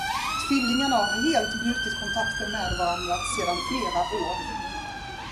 Tvillingarna har helt brutit kontakten med varandra, sedan flera år.